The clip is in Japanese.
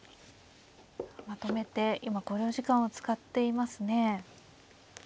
まとめて今考慮時間を使っていますね。